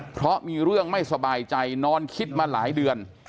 เพราะมีเรื่องไม่สบายใจนอนคิดมาหลายเดือน